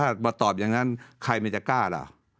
แต่ถ้ามาตอบอย่างนั้นใครไม่จะกล้าหรอ